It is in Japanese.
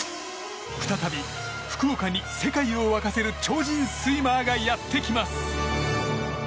再び福岡に、世界を沸かせる超人スイマーがやってきます。